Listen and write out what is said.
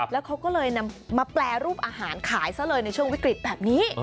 แล้วเขาก็เลยนำมาแปรรูปอาหารขายซะเลยในช่วงวิกฤตแบบนี้